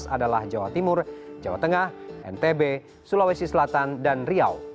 adalah jawa timur jawa tengah ntb sulawesi selatan dan riau